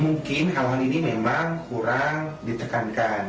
mungkin hal hal ini memang kurang ditekankan